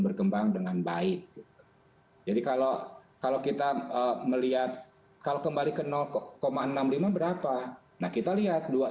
berkembang dengan baik jadi kalau kalau kita melihat kalau kembali ke enam puluh lima berapa nah kita lihat